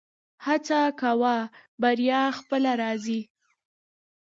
هڅه کوه بریا خپله راځي